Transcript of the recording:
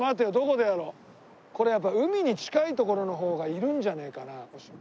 これやっぱ海に近い所の方がいるんじゃねえかな。